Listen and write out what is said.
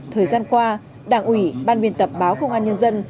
thời gian qua đảng ủy ban biên tập báo công an nhân dân